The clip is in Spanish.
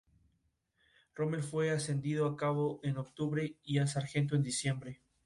Rommel fue ascendido a cabo en octubre y a sargento en diciembre.